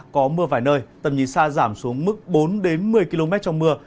có mưa vài nơi tầm nhìn xa giảm xuống mức bốn một mươi km trong mưa